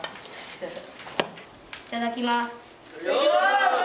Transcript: いただきます。